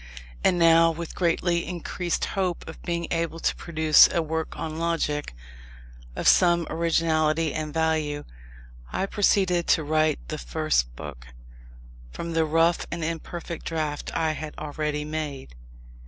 And now, with greatly increased hope of being able to produce a work on Logic, of some originality and value, I proceeded to write the First Book, from the rough and imperfect draft I had already made.